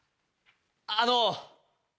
あの。